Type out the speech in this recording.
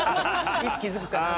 いつ気づくかな？